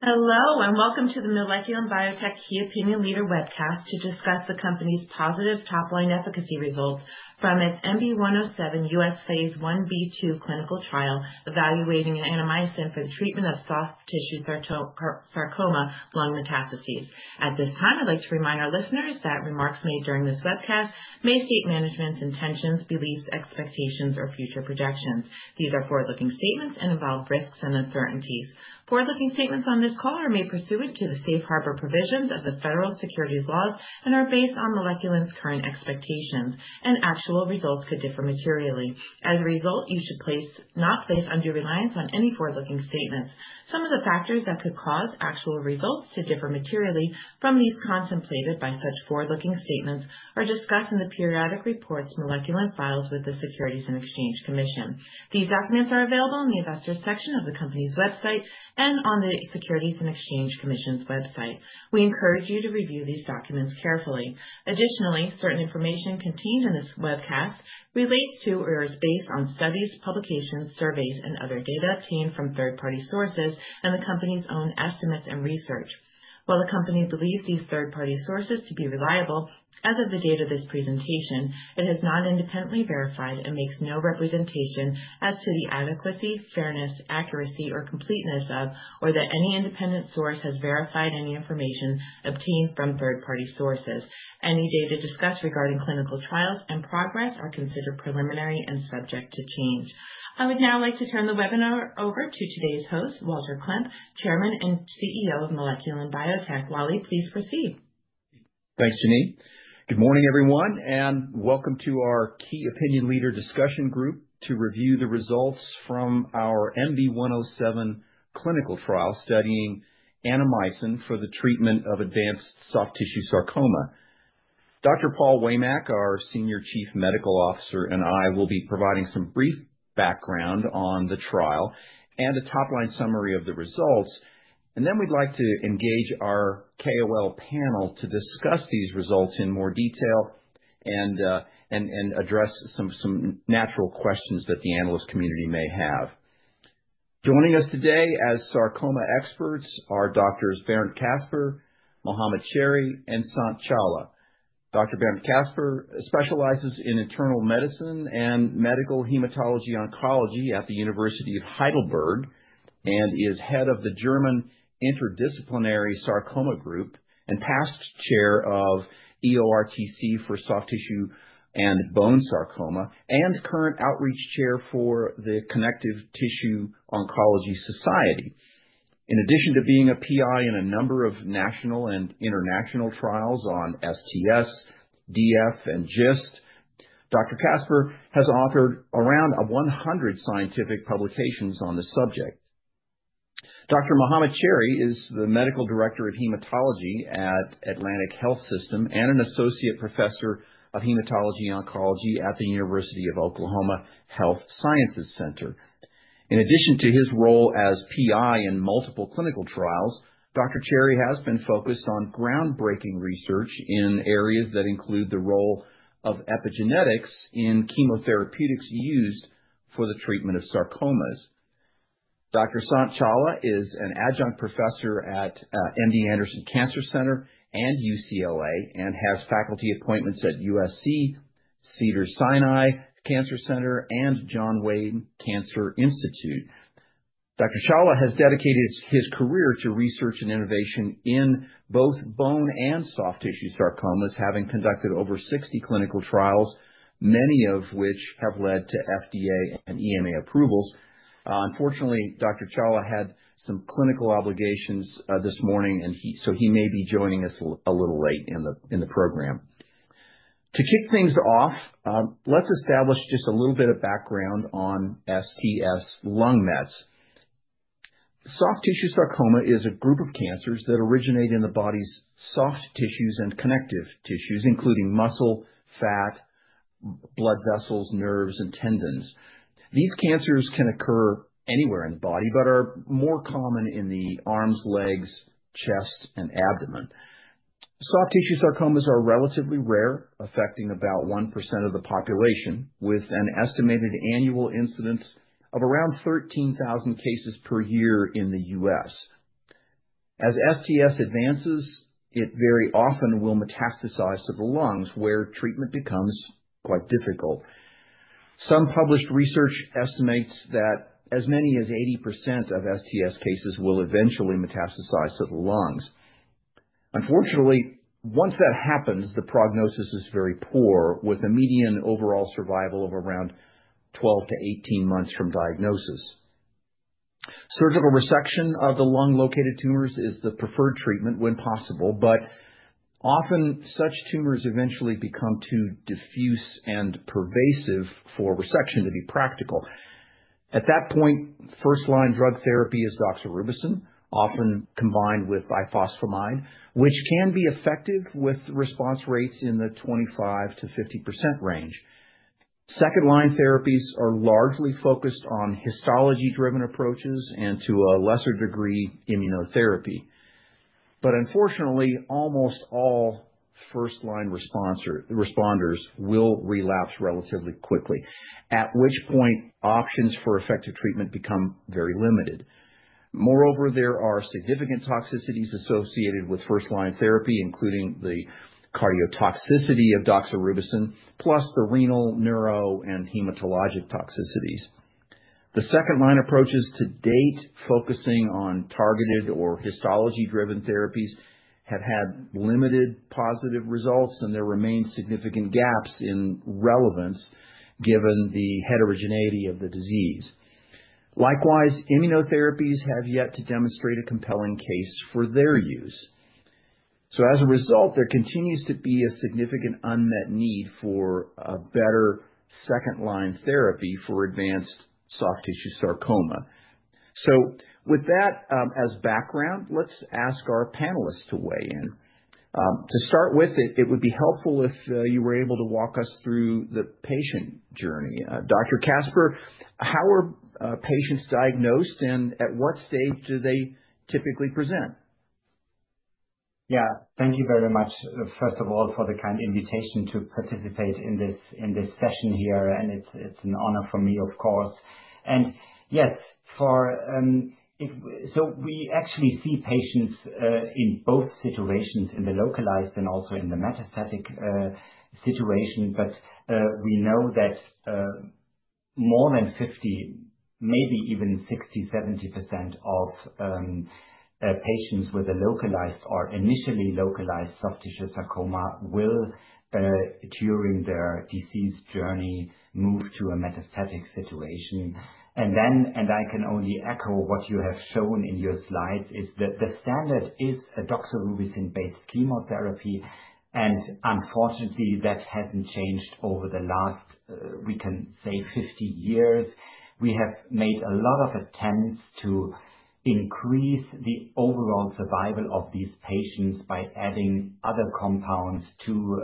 Hello and welcome to the Moleculin Biotech Key Opinion Leader webcast to discuss the company's positive top-line efficacy results from its MB-107 U.S. phase 1B/2 clinical trial evaluating Annamycin for the treatment of soft tissue sarcoma lung metastases. At this time, I'd like to remind our listeners that remarks made during this webcast may state management's intentions, beliefs, expectations, or future projections. These are forward-looking statements and involve risks and uncertainties. Forward-looking statements on this call are made pursuant to the safe harbor provisions of the federal securities laws and are based on Moleculin's current expectations, and actual results could differ materially. As a result, you should not place undue reliance on any forward-looking statements. Some of the factors that could cause actual results to differ materially from those contemplated by such forward-looking statements are discussed in the periodic reports Moleculin files with the Securities and Exchange Commission.These documents are available in the investor section of the company's website and on the Securities and Exchange Commission's website. We encourage you to review these documents carefully. Additionally, certain information contained in this webcast relates to or is based on studies, publications, surveys, and other data obtained from third-party sources and the company's own estimates and research. While the company believes these third-party sources to be reliable as of the date of this presentation, it has not independently verified and makes no representation as to the adequacy, fairness, accuracy, or completeness of, or that any independent source has verified any information obtained from third-party sources. Any data discussed regarding clinical trials and progress are considered preliminary and subject to change. I would now like to turn the webinar over to today's host, Walter Klemp, Chairman and CEO of Moleculin Biotech. Wally, please proceed. Thanks, Jenene. Good morning, everyone, and welcome to our Key Opinion Leader discussion group to review the results from our MB-107 clinical trial studying Annamycin for the treatment of advanced soft tissue sarcoma. Dr. Paul Waymack, our Senior Chief Medical Officer, and I will be providing some brief background on the trial and a top-line summary of the results, and then we'd like to engage our KOL panel to discuss these results in more detail and address some natural questions that the analyst community may have. Joining us today as sarcoma experts are Doctors Barend Kasper, Mohammad Cherry, and Sant Challa. Dr. Bernd Kasper specializes in internal medicine and medical hematology-oncology at the University of Heidelberg and is head of the German Interdisciplinary Sarcoma Group and past chair of EORTC for soft tissue and bone sarcoma and current outreach chair for the Connective Tissue Oncology Society.In addition to being a PI in a number of national and international trials on STS, DF, and GIST, Dr. Kasper has authored around 100 scientific publications on the subject. Dr. Mohammad Cherry is the Medical Director of Hematology at Atlantic Health System and an Associate Professor of Hematology-Oncology at the University of Oklahoma Health Sciences Center. In addition to his role as PI in multiple clinical trials, Dr. Cherry has been focused on groundbreaking research in areas that include the role of epigenetics in chemotherapeutics used for the treatment of sarcomas. Dr. Sant Challa is an Adjunct Professor at MD Anderson Cancer Center and UCLA and has faculty appointments at USC, Cedars-Sinai Cancer Center, and John Wayne Cancer Institute. Dr.Challa has dedicated his career to research and innovation in both bone and soft tissue sarcomas, having conducted over 60 clinical trials, many of which have led to FDA and EMA approvals. Unfortunately, Dr. Challa had some clinical obligations this morning, and so he may be joining us a little late in the program. To kick things off, let's establish just a little bit of background on STS lung mets. Soft tissue sarcoma is a group of cancers that originate in the body's soft tissues and connective tissues, including muscle, fat, blood vessels, nerves, and tendons. These cancers can occur anywhere in the body but are more common in the arms, legs, chest, and abdomen. Soft tissue sarcomas are relatively rare, affecting about 1% of the population, with an estimated annual incidence of around 13,000 cases per year in the U.S. As STS advances, it very often will metastasize to the lungs, where treatment becomes quite difficult. Some published research estimates that as many as 80% of STS cases will eventually metastasize to the lungs. Unfortunately, once that happens, the prognosis is very poor, with a median overall survival of around 12-18 months from diagnosis. Surgical resection of the lung-located tumors is the preferred treatment when possible, but often such tumors eventually become too diffuse and pervasive for resection to be practical. At that point, first-line drug therapy is Doxorubicin, often combined with Bisphosphonide, which can be effective with response rates in the 25-50% range. Second-line therapies are largely focused on histology-driven approaches and, to a lesser degree, immunotherapy. Unfortunately, almost all first-line responders will relapse relatively quickly, at which point options for effective treatment become very limited. Moreover, there are significant toxicities associated with first-line therapy, including the cardiotoxicity of Doxorubicin, plus the renal, neuro, and hematologic toxicities. The second-line approaches to date, focusing on targeted or histology-driven therapies, have had limited positive results, and there remain significant gaps in relevance given the heterogeneity of the disease. Likewise, immunotherapies have yet to demonstrate a compelling case for their use. As a result, there continues to be a significant unmet need for a better second-line therapy for advanced soft tissue sarcoma. With that as background, let's ask our panelists to weigh in. To start with, it would be helpful if you were able to walk us through the patient journey. Dr. Kasper, how are patients diagnosed, and at what stage do they typically present? Yeah, thank you very much, first of all, for the kind invitation to participate in this session here, and it's an honor for me, of course. Yes, so we actually see patients in both situations, in the localized and also in the metastatic situation, but we know that more than 50%, maybe even 60-70% of patients with a localized or initially localized soft tissue sarcoma will, during their disease journey, move to a metastatic situation. I can only echo what you have shown in your slides is that the standard is a Doxorubicin-based chemotherapy, and unfortunately, that hasn't changed over the last, we can say, 50 years. We have made a lot of attempts to increase the overall survival of these patients by adding other compounds to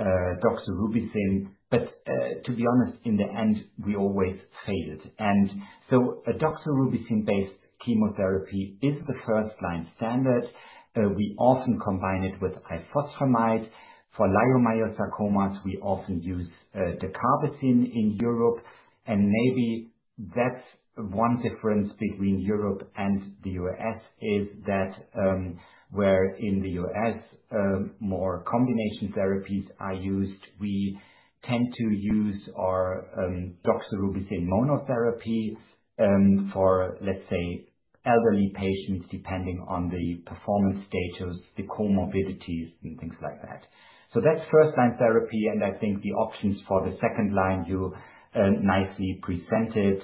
Doxorubicin, but to be honest, in the end, we always failed. A Doxorubicin-based chemotherapy is the first-line standard. We often combine it with Ifosfamide. For leiomyosarcomas, we often use Dacarbazine in Europe, and maybe that's one difference between Europe and the U.S. is that where in the U.S. more combination therapies are used, we tend to use our doxorubicin monotherapy for, let's say, elderly patients, depending on the performance status, the comorbidities, and things like that. That's first-line therapy, and I think the options for the second line you nicely presented.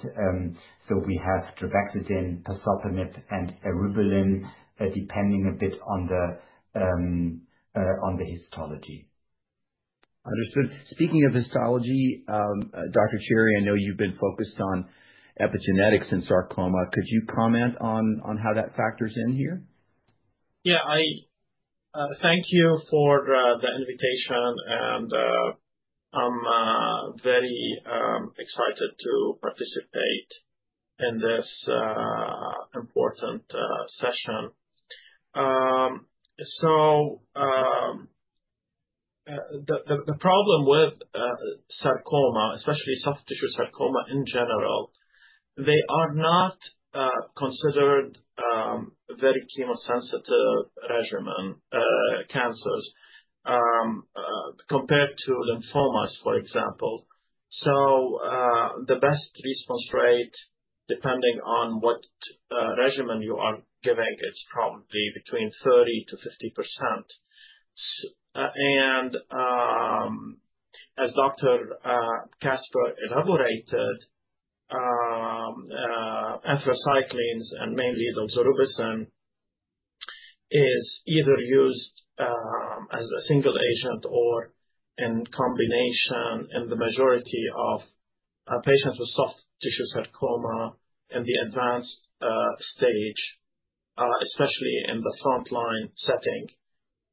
We have Trabectedin, Pazopanib, and Eribulin, depending a bit on the histology. Understood. Speaking of histology, Dr. Cherry, I know you've been focused on epigenetics in sarcoma. Could you comment on how that factors in here? Yeah, thank you for the invitation, and I'm very excited to participate in this important session. The problem with sarcoma, especially soft tissue sarcoma in general, is they are not considered very chemosensitive regimen cancers compared to lymphomas, for example. The best response rate, depending on what regimen you are giving, is probably between 30-50%. As Dr. Kasper elaborated, anthracycline and mainly Doxorubicin is either used as a single agent or in combination in the majority of patients with soft tissue sarcoma in the advanced stage, especially in the front-line setting.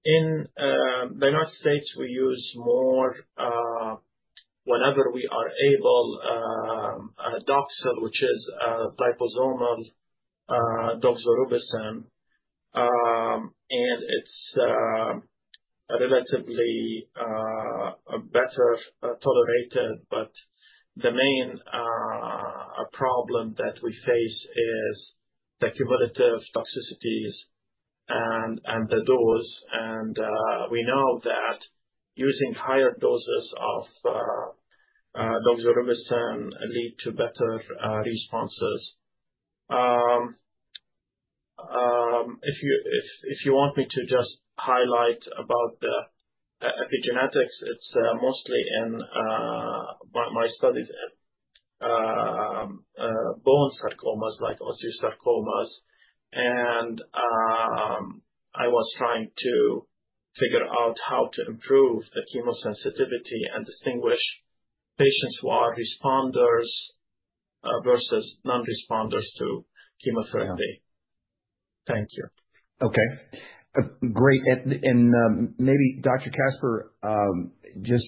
In the United States, we use more, whenever we are able, Doxil, which is a liposomal Doxorubicin, and it's relatively better tolerated. The main problem that we face is the cumulative toxicities and the dose, and we know that using higher doses of Doxorubicin leads to better responses. If you want me to just highlight about the epigenetics, it's mostly in my studies bone sarcomas like osteosarcomas, and I was trying to figure out how to improve the chemosensitivity and distinguish patients who are responders versus non-responders to chemotherapy. Thank you. Okay. Great. Maybe, Dr. Kasper, just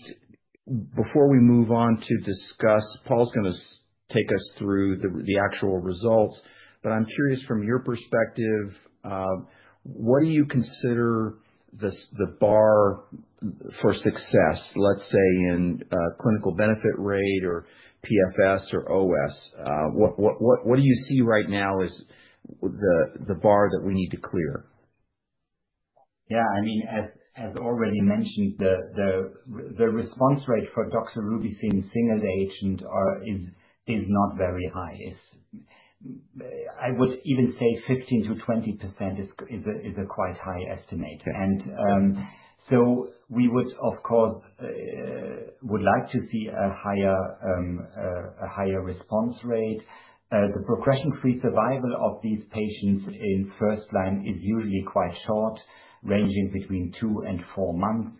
before we move on to discuss, Paul's going to take us through the actual results, but I'm curious, from your perspective, what do you consider the bar for success, let's say in clinical benefit rate or PFS or OS? What do you see right now is the bar that we need to clear? Yeah, I mean, as already mentioned, the response rate for Doxorubicin single agent is not very high. I would even say 15%-20% is a quite high estimate. We would, of course, like to see a higher response rate. The progression-free survival of these patients in first line is usually quite short, ranging between two and four months.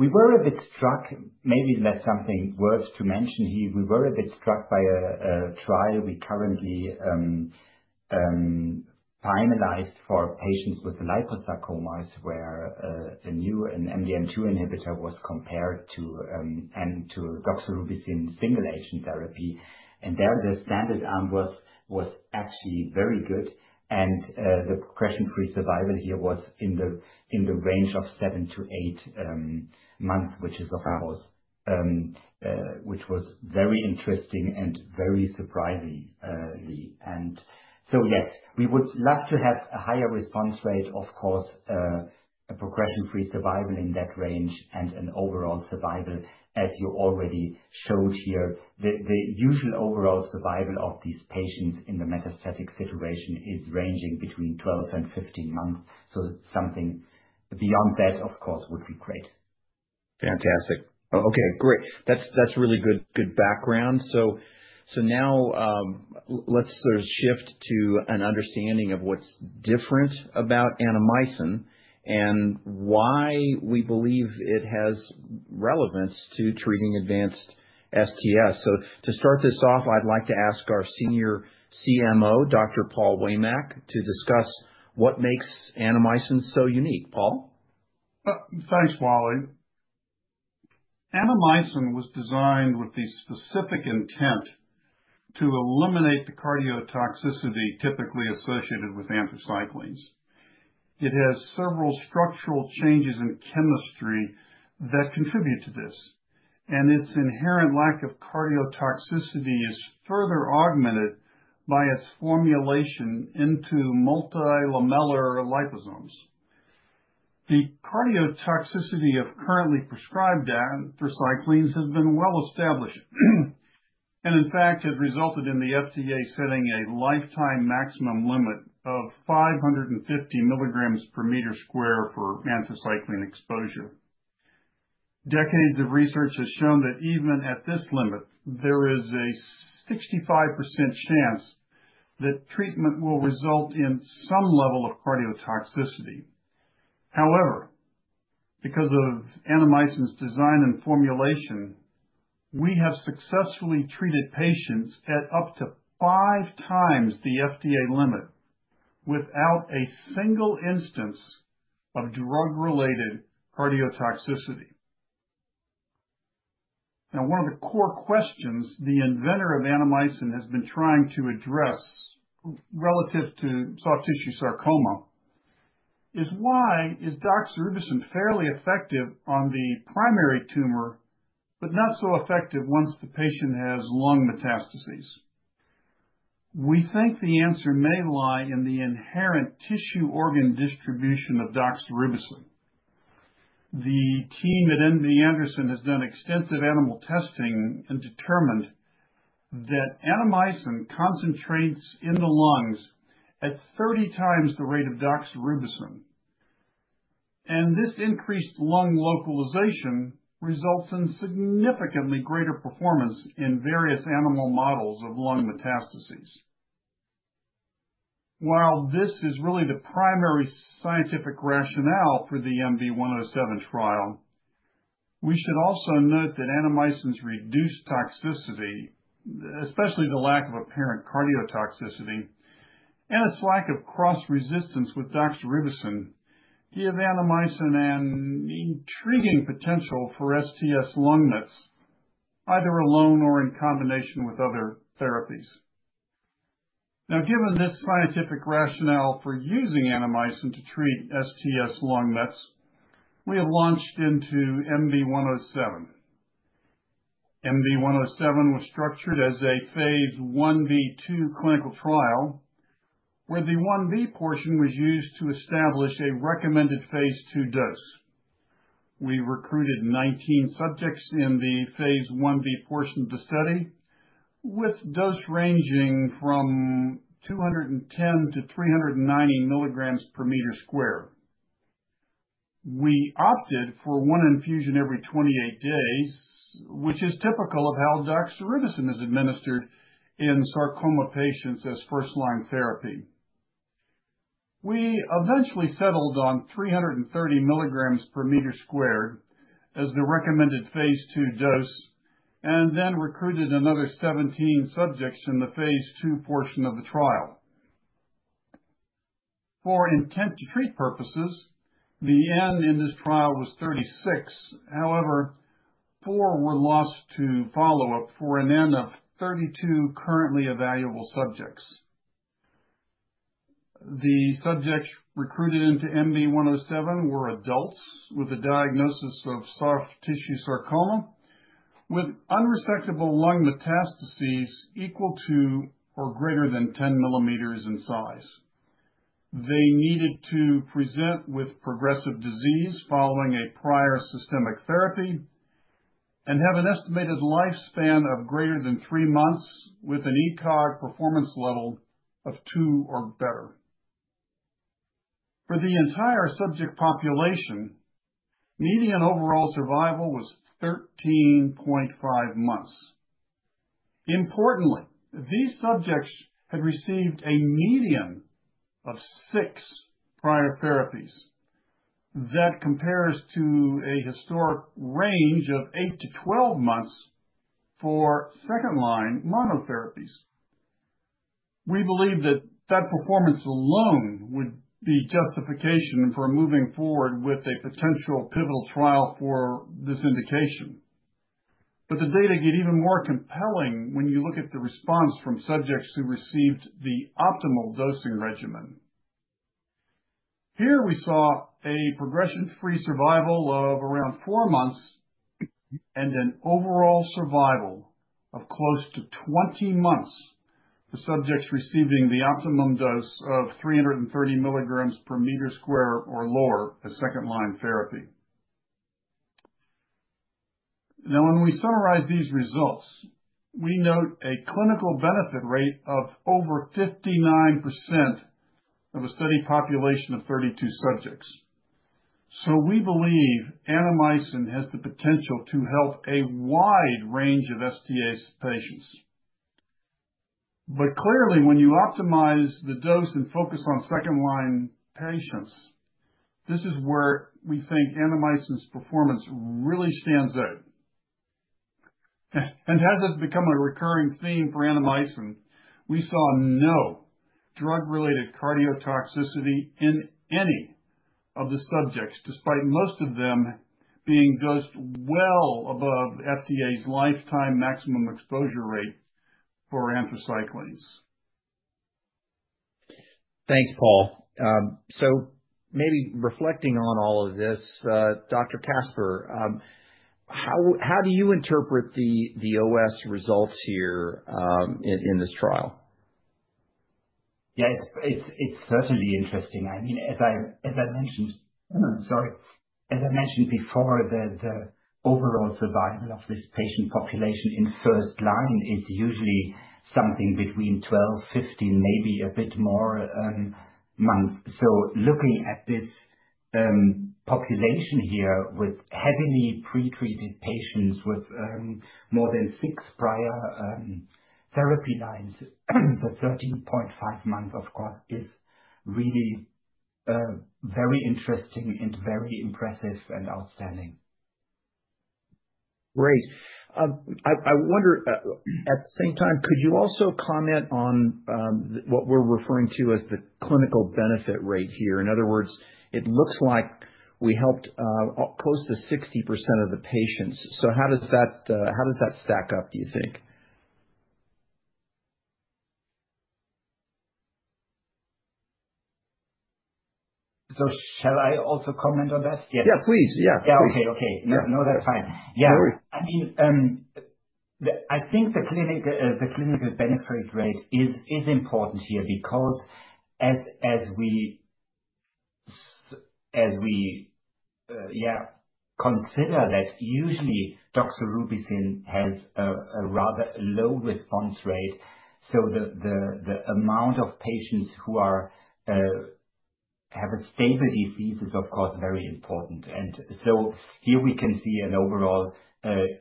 We were a bit struck, maybe that's something worth mentioning here. We were a bit struck by a trial we currently finalized for patients with liposarcomas where an MDM2 inhibitor was compared to doxorubicin single agent therapy, and there the standard arm was actually very good, and the progression-free survival here was in the range of seven to eight months, which was very interesting and very surprising. Yes, we would love to have a higher response rate, of course, a progression-free survival in that range, and an overall survival, as you already showed here. The usual overall survival of these patients in the metastatic situation is ranging between 12-15 months, so something beyond that, of course, would be great. Fantastic. Okay, great. That is really good background. Now let's shift to an understanding of what is different about Annamycin and why we believe it has relevance to treating advanced STS. To start this off, I would like to ask our Senior CMO, Dr. Paul Waymack, to discuss what makes Annamycin so unique. Paul? Thanks, Molly. Annamycin was designed with the specific intent to eliminate the cardiotoxicity typically associated with anthracyclines. It has several structural changes in chemistry that contribute to this, and its inherent lack of cardiotoxicity is further augmented by its formulation into multilamellar liposomes. The cardiotoxicity of currently prescribed anthracyclines has been well established and, in fact, has resulted in the FDA setting a lifetime maximum limit of 550 milligrams per meter square for anthracycline exposure. Decades of research have shown that even at this limit, there is a 65% chance that treatment will result in some level of cardiotoxicity. However, because of Annamycin's design and formulation, we have successfully treated patients at up to five times the FDA limit without a single instance of drug-related cardiotoxicity. Now, one of the core questions the inventor of Annamycin has been trying to address relative to soft tissue sarcoma is, why is Doxorubicin fairly effective on the primary tumor but not so effective once the patient has lung metastases? We think the answer may lie in the inherent tissue organ distribution of Doxorubicin. The team at MD Anderson has done extensive animal testing and determined that Annamycin concentrates in the lungs at 30 times the rate of Doxorubicin, and this increased lung localization results in significantly greater performance in various animal models of lung metastases. While this is really the primary scientific rationale for the MB-107 trial, we should also note that Annamycin's reduced toxicity, especially the lack of apparent cardiotoxicity, and its lack of cross-resistance with doxorubicin give Annamycin an intriguing potential for STS lung mets, either alone or in combination with other therapies. Now, given this scientific rationale for using Annamycin to treat STS lung mets, we have launched into MB-107. MB-107 was structured as a phase 1B/2 clinical trial where the 1B portion was used to establish a recommended phase 2 dose. We recruited 19 subjects in the phase 1b portion of the study with dose ranging from 210-390 mg per meter squared. We opted for one infusion every 28 days, which is typical of how Doxorubicin is administered in sarcoma patients as first-line therapy. We eventually settled on 330 mg per meter squared as the recommended phase 2 dose and then recruited another 17 subjects in the phase 2 portion of the trial. For intent to treat purposes, the N in this trial was 36; however, four were lost to follow-up for an N of 32 currently available subjects. The subjects recruited into MB-107 were adults with a diagnosis of soft tissue sarcoma with unresectable lung metastases equal to or greater than 10 mm in size. They needed to present with progressive disease following a prior systemic therapy and have an estimated lifespan of greater than three months with an ECOG performance level of two or better. For the entire subject population, median overall survival was 13.5 months. Importantly, these subjects had received a median of six prior therapies. That compares to a historic range of 8-12 months for second-line monotherapies. We believe that that performance alone would be justification for moving forward with a potential pivotal trial for this indication, but the data get even more compelling when you look at the response from subjects who received the optimal dosing regimen. Here we saw a progression-free survival of around four months and an overall survival of close to 20 months for subjects receiving the optimum dose of 330 mm per meter square or lower as second-line therapy. Now, when we summarize these results, we note a clinical benefit rate of over 59% of a study population of 32 subjects. We believe Annamycin has the potential to help a wide range of STS patients. Clearly, when you optimize the dose and focus on second-line patients, this is where we think Annamycin's performance really stands out. Has this become a recurring theme for Annamycin? We saw no drug-related cardiotoxicity in any of the subjects, despite most of them being dosed well above FDA's lifetime maximum exposure rate for anthracyclines. Thanks, Paul. Maybe reflecting on all of this, Dr. Kasper, how do you interpret the OS results here in this trial? Yeah, it's certainly interesting. I mean, as I mentioned, sorry, as I mentioned before, the overall survival of this patient population in first line is usually something between 12-15, maybe a bit more, months. Looking at this population here with heavily pretreated patients with more than six prior therapy lines, the 13.5 months, of course, is really very interesting and very impressive and outstanding. Great. I wonder, at the same time, could you also comment on what we're referring to as the clinical benefit rate here? In other words, it looks like we helped close to 60% of the patients. How does that stack up, do you think? Shall I also comment on that? Yeah, please. Yeah. Yeah, okay, okay. No, that's fine. Yeah. I mean, I think the clinical benefit rate is important here because as we, yeah, consider that usually Doxorubicin has a rather low response rate, so the amount of patients who have a stable disease is, of course, very important. Here we can see an overall,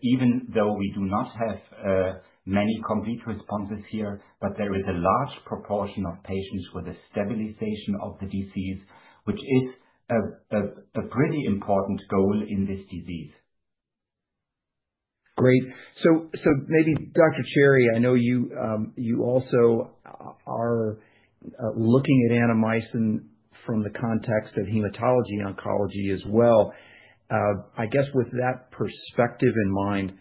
even though we do not have many complete responses here, but there is a large proportion of patients with a stabilization of the disease, which is a pretty important goal in this disease. Great. Maybe, Dr. Cherry, I know you also are looking at Annamycin from the context of hematology oncology as well. I guess with that perspective in mind,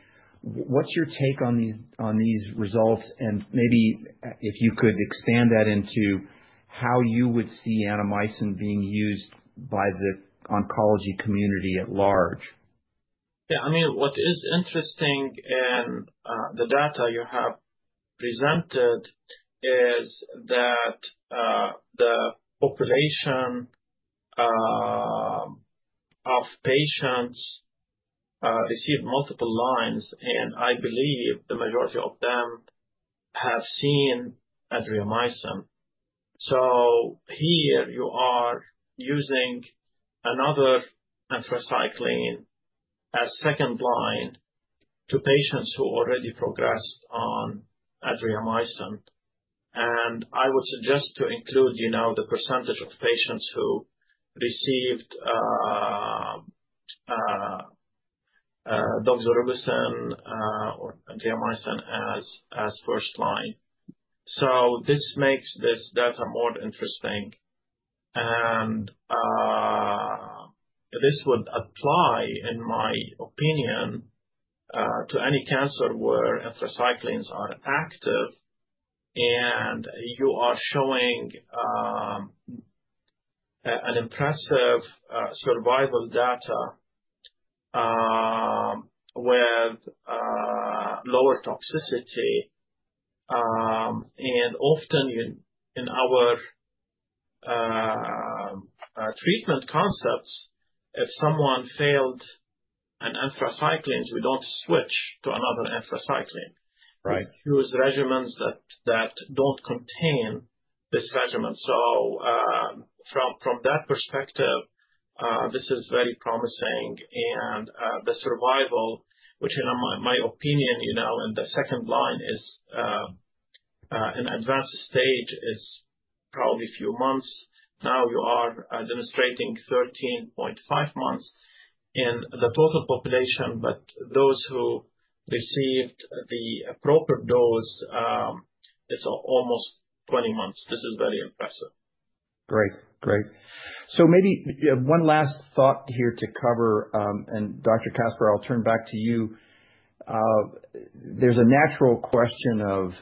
what's your take on these results? Maybe if you could expand that into how you would see Annamycin being used by the oncology community at large. Yeah, I mean, what is interesting in the data you have presented is that the population of patients received multiple lines, and I believe the majority of them have seen Adriamycin. Here you are using another anthracycline as second line to patients who already progressed on Adriamycin. I would suggest to include the percentage of patients who received Doxorubicin or Adriamycin as first line. This makes this data more interesting, and this would apply, in my opinion, to any cancer where anthracyclines are active, and you are showing an impressive survival data with lower toxicity. Often in our treatment concepts, if someone failed an anthracycline, we do not switch to another anthracycline. We choose regimens that do not contain this regimen. From that perspective, this is very promising, and the survival, which in my opinion, in the second line is an advanced stage, is probably a few months. Now you are demonstrating 13.5 months in the total population, but those who received the proper dose, it's almost 20 months. This is very impressive. Great, great. Maybe one last thought here to cover, and Dr. Kasper, I'll turn back to you. There's a natural question of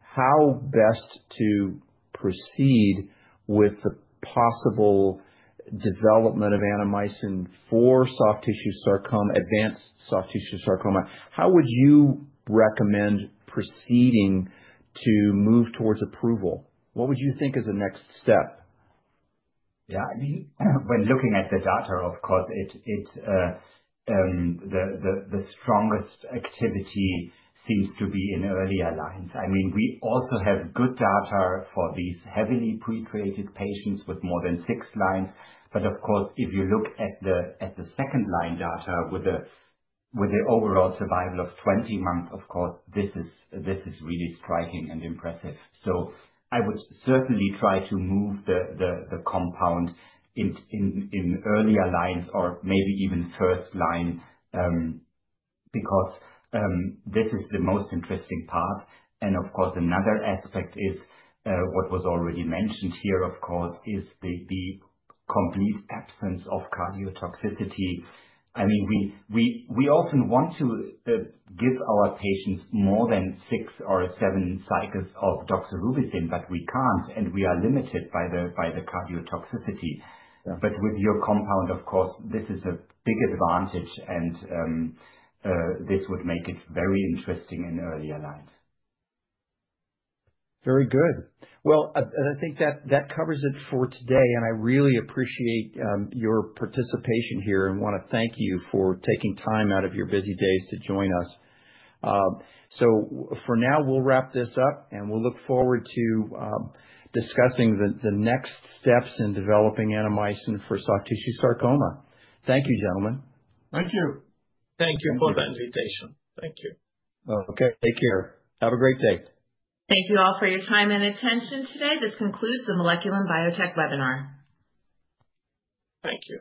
how best to proceed with the possible development of Annamycin for advanced soft tissue sarcoma. How would you recommend proceeding to move towards approval? What would you think is a next step? Yeah, I mean, when looking at the data, of course, the strongest activity seems to be in earlier lines. I mean, we also have good data for these heavily pretreated patients with more than six lines, but of course, if you look at the second line data with the overall survival of 20 months, of course, this is really striking and impressive. I would certainly try to move the compound in earlier lines or maybe even first line because this is the most interesting part. Of course, another aspect is what was already mentioned here, of course, is the complete absence of cardiotoxicity. I mean, we often want to give our patients more than six or seven cycles of Doxorubicin, but we can't, and we are limited by the cardiotoxicity. With your compound, of course, this is a big advantage, and this would make it very interesting in earlier lines. Very good. I think that covers it for today, and I really appreciate your participation here and want to thank you for taking time out of your busy days to join us. For now, we'll wrap this up, and we'll look forward to discussing the next steps in developing Annamycin for soft tissue sarcoma. Thank you, gentlemen. Thank you. Thank you for the invitation. Thank you. Okay, take care. Have a great day. Thank you all for your time and attention today. This concludes the Moleculin Biotech webinar. Thank you.